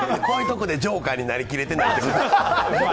こういうところでジョーカーになりきれてない。